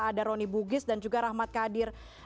ada roni bugis dan juga rahmat kadir